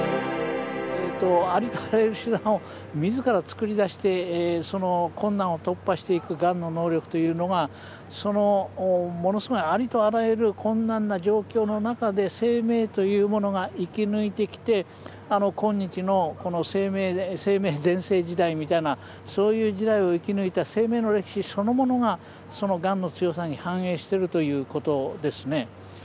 ありとあらゆる手段を自ら作り出してその困難を突破していくがんの能力というのがそのものすごいありとあらゆる困難な状況の中で生命というものが生き抜いてきて今日のこの生命全盛時代みたいなそういう時代を生き抜いた生命の歴史そのものがそのがんの強さに反映しているということですね。